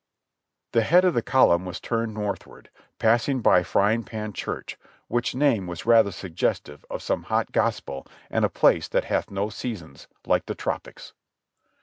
The head of the column was turned northward, passing by Fry ing Pan Church, which name was rather suggestive of some hot Gospel and a place that hath no seasons, like the tropics.